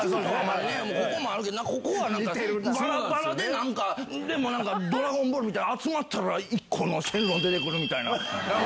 ここもあるけど、なんかここはばらばらでなんか、でもなんかドラゴンボールみたいに、集まったら１個の神龍出てくるみたいな。